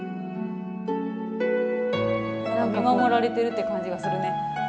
見守られてるって感じがするね。